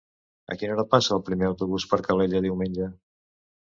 A quina hora passa el primer autobús per Calella diumenge?